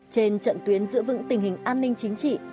trên trận tuyến giữ vững tình hình an ninh chính trị